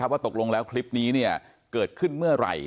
ว่าตกลงแล้วคลิปนี้เกิดขึ้นเมื่อไหร่